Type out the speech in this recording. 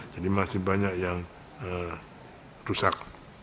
jadi masih banyak yang rusak